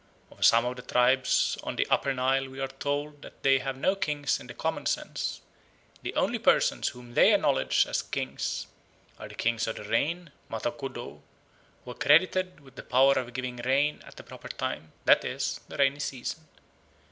Of some of the tribes on the Upper Nile we are told that they have no kings in the common sense; the only persons whom they acknowledge as such are the Kings of the Rain, Mata Kodou, who are credited with the power of giving rain at the proper time, that is, the rainy season.